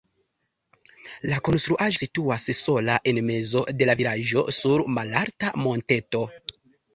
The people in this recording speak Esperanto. La konstruaĵo situas sola en mezo de la vilaĝo sur malalta monteto.